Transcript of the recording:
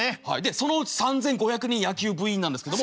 そのうち３，５００人野球部員なんですけども。